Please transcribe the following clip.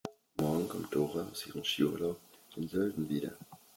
Morgen kommt Dora aus ihrem Skiurlaub in Sölden wieder.